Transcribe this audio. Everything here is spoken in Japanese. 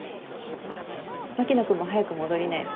牧野君も早く戻りなよ。